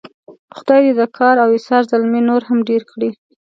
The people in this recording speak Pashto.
خدای دې د کار او ایثار زلمي نور هم ډېر کړي.